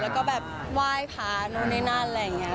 แล้วก็แบบไหว้พาโนเนนาอะไรอย่างนี้